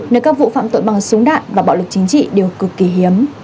nơi các vụ phạm tội bằng súng đạn và bạo lực chính trị đều cực kỳ hiếm